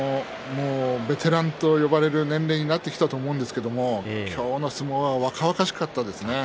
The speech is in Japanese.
ベテランと呼ばれる年齢になってきたと思うんですけれども今日の相撲は若々しかったですね。